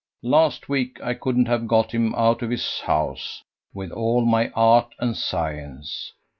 Last week I couldn't have got him out of his house with all my art and science.